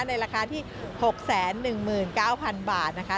ในราคาที่๖๑๙๐๐บาทนะคะ